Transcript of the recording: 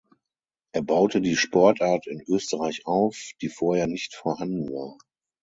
Er baute die Sportart in Österreich auf, die vorher nicht vorhanden war.